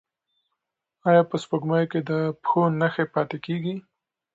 ایا په سپوږمۍ کې د پښو نښې پاتې کیږي؟